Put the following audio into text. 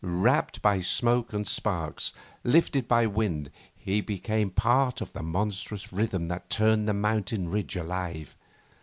Wrapped by smoke and sparks, lifted by wind, he became part of the monstrous rhythm that turned that mountain ridge alive.